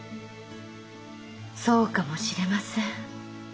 そうかもしれません。